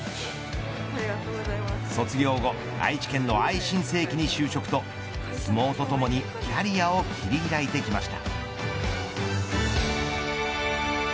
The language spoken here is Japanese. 卒業後、愛知県のアイシン精機に就職と相撲とともにキャリアを切り開いてきました。